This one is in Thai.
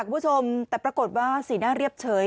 คุณผู้ชมแต่ปรากฏว่าสีหน้าเรียบเฉย